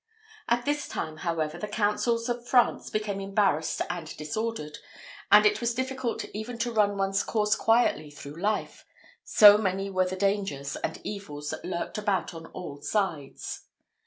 At this time, however, the councils of France became embarrassed and disordered; and it was difficult even to run one's course quietly through life, so many were the dangers and evils that lurked about on all sides.